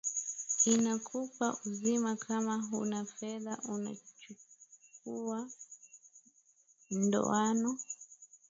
Inakupa uzima Kama huna fedha unachukua ndoano